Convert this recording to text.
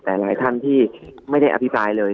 แต่หลายท่านที่ไม่ได้อภิปรายเลย